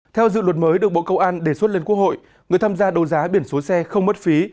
theo dự luật mới được bộ công an đề xuất lên quốc hội người tham gia đấu giá biển số xe không mất phí